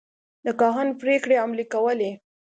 د کاهن پرېکړې عملي کولې.